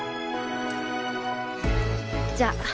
じゃあ。